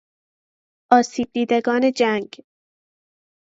آسیب دیدگان جنگ